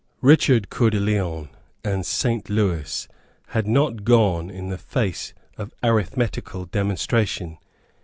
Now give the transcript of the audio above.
Richard Coeur de Lion and Saint Lewis had not gone in the face of arithmetical demonstration.